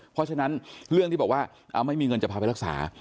เพราะฉะนั้นเรื่องที่บอกว่าไม่มีเงินจะพาไปรักษา